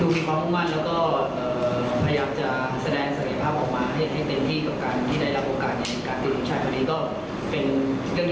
นักเตะที่เข้ามาในครั้งนี้ก็เป็นนักเตะที่หน้าใหม่หลักทนแล้วก็ได้รับโอกาสติดติดชาติในครั้งนี้